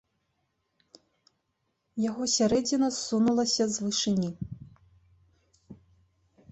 Яго сярэдзіна ссунулася з вышыні.